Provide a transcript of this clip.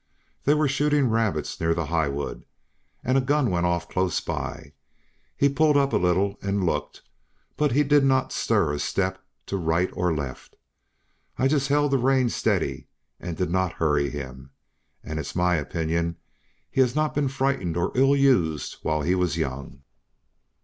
They were shooting rabbits near the Highwood, and a gun went off close by; he pulled up a little and looked, but he did not stir a step to right or left. I just held the rein steady and did not hurry him, and it's my opinion he has not been frightened or ill used while he was young."